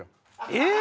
えっ？